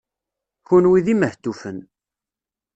Kenwi d imehtufen.